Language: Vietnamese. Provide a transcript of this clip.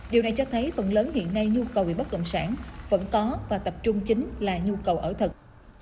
điều này cho thấy phần lớn hiện nay nhu cầu về bất động sản vẫn có và tập trung chính là nhu cầu ở thực